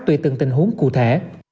tùy từng tình huống cụ thể